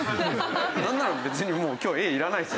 なんなら別にもう今日Ａいらないです。